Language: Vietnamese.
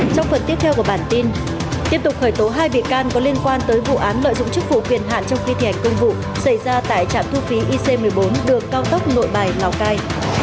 trong phần tiếp theo của bản tin tiếp tục khởi tố hai bị can có liên quan tới vụ án lợi dụng chức vụ quyền hạn trong khi thi hành công vụ xảy ra tại trạm thu phí ic một mươi bốn đường cao tốc nội bài lào cai